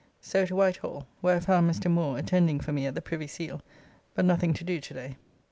So to Whitehall, where I found Mr. Moore attending for me at the Privy Seal, but nothing to do to day.